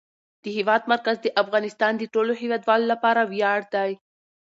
د هېواد مرکز د افغانستان د ټولو هیوادوالو لپاره ویاړ دی.